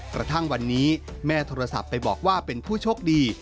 กระทั่งวันนี้แม่โทรศัพท์ไปบอกว่าเป็นผู้โชคดี